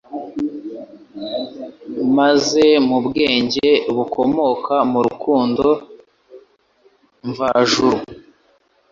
maze mu bwenge bukomoka mu rukundo mvajuru,